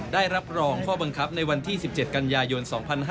ได้รับรองข้อบังคับในวันที่๑๗กันยายน๒๕๕๙